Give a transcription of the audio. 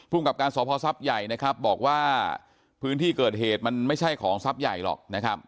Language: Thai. กับการสพท์ใหญ่นะครับบอกว่าพื้นที่เกิดเหตุมันไม่ใช่ของทรัพย์ใหญ่หรอกนะครับ